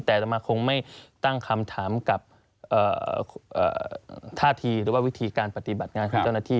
แต่จะมาคงไม่ตั้งคำถามกับท่าทีหรือว่าวิธีการปฏิบัติงานของเจ้าหน้าที่